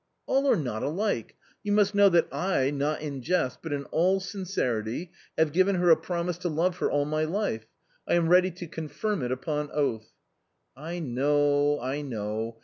" All are not alike. You must know that I, not in jest, but in all sincerity have given her a promise to love her all my life ; I am ready to confirm it upon oath." " I kaow, I know